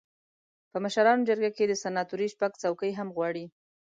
په مشرانو جرګه کې د سناتورۍ شپږ څوکۍ هم غواړي.